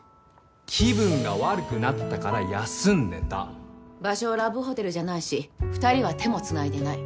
気分が悪くなったから休んでた場所はラブホテルじゃないし２人は手もつないでいない。